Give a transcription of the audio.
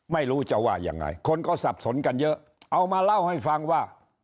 ไม่รู้จะว่ายังไงคนก็สับสนกันเยอะเอามาเล่าให้ฟังว่า